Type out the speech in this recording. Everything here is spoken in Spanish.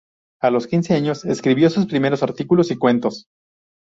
A los quince años escribió sus primeros artículos y cuentos.